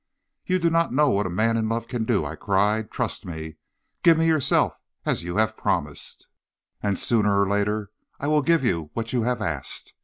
"'You do not know what a man in love can do,' I cried. 'Trust me; give me yourself as you have promised, and sooner or later I will give you what you have asked.